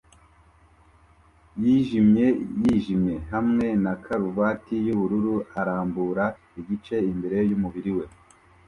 yijimye yijimye hamwe na karuvati yubururu arambura igice imbere yumubiri we